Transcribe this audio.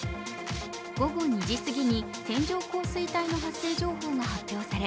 午後２時過ぎに線状降水帯の発生情報が発表され